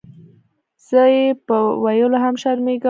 زۀ یې پۀ ویلو هم شرمېږم.